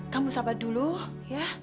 kamu sabar dulu ya